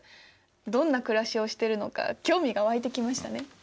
どんな暮らしをしてるのか興味が湧いてきましたね。